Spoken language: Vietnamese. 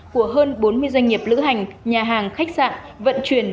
của hơn bốn mươi doanh nghiệp lữ hành nhà hàng khách sạn vận chuyển